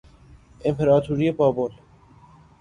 امپراتوری بابل